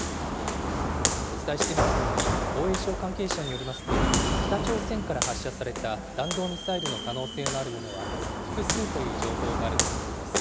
お伝えしていますように、防衛省関係者によりますと、北朝鮮から発射された弾道ミサイルの可能性のあるものは、複数という情報があるということです。